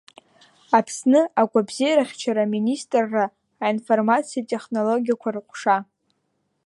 Аԥсны агәабзиарахьчара Аминистрра аинформациатә технологиақәа рыҟәша.